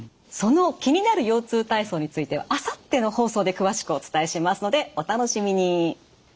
その気になる腰痛体操についてはあさっての放送で詳しくお伝えしますのでお楽しみに。